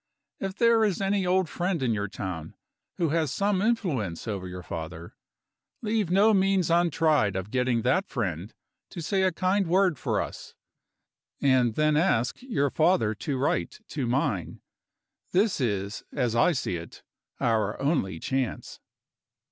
If there is any old friend in your town, who has some influence over your father, leave no means untried of getting that friend to say a kind word for us. And then ask your father to write to mine. This is, as I see it, our only chance.